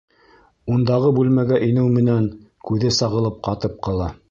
Ундағы бүлмәгә инеү менән, күҙе сағылып ҡатып ҡала.